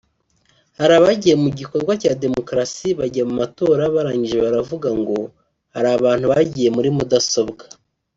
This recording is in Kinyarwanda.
hari abagiye mu gikorwa cya demokarasi bajya mu matora barangije baravuga […] ngo hari abantu bagiye muri mudasobwa